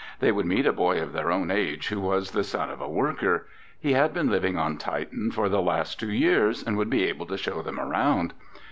They would meet a boy of their own age who was the son of a worker. He had been living on Titan for the past two years and would be able to show them around.